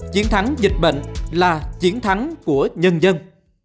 chiến thắng dịch bệnh là chiến thắng của nhân dân